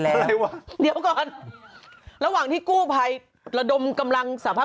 อะไรวะเดี๋ยวก่อนระหว่างที่กู้ภัยระดมกำลังสาภาพ